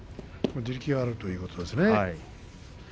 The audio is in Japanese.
地力があるということですね。